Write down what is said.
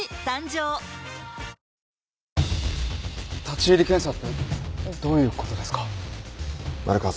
立入検査ってどういうことですか？